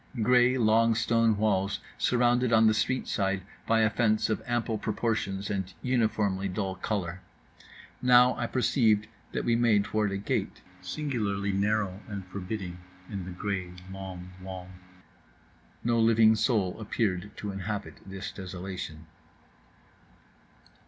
Grey long stone walls, surrounded on the street side by a fence of ample proportions and uniformly dull colour. Now I perceived that we made toward a gate, singularly narrow and forbidding, in the grey long wall. No living soul appeared to inhabit this desolation.